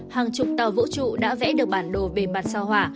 hàng chục tàu vũ trụ đã vẽ được bản đồ bề mặt sao hỏa